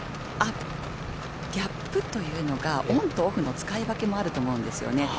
ギャップというのがオンとオフの使い分けもあると思うんですよね。